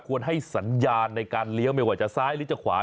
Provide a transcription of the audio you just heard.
ให้สัญญาณในการเลี้ยวไม่ว่าจะซ้ายหรือจะขวา